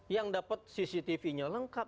yang dapat cctv nya lengkap